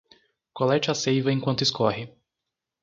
Colete a seiva enquanto escorre